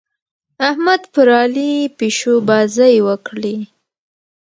احمد پر علي پيشوبازۍ وکړې.